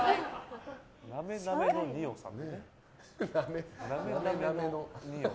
なめなめの二葉さん。